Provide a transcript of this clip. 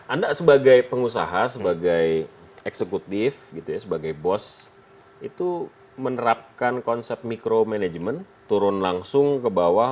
anda sebagai pengusaha sebagai eksekutif sebagai bos itu menerapkan konsep mikro manajemen turun langsung ke bawah